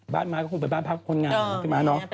บ้านไม้ก็คงเป็นบ้านพักคนงาน